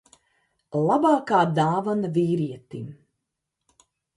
Labākā dāvana vīrietim.